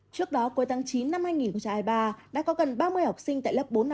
trước đó cuối tháng chín năm hai nghìn ba đã có gần ba mươi học sinh tại lớp bốn trăm năm mươi một